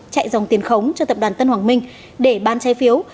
chạy dòng tiền khống cho tập đoàn tân hoàng minh để bán trái phiếu